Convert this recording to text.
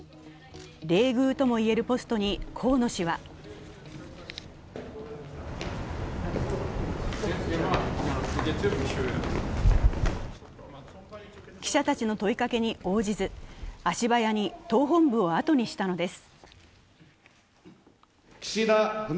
冷遇ともいえるポストに河野氏は記者たちの問いかけに応じず、足早に党本部を後にしたのです。